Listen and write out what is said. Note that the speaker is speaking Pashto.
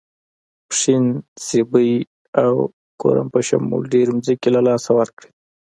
پښین، سیبۍ او کورم په شمول ډېرې ځمکې له لاسه ورکړې.